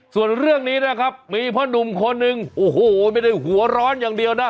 ส่วนเรื่องนี้นะครับมีพ่อหนุ่มคนหนึ่งโอ้โหไม่ได้หัวร้อนอย่างเดียวนะ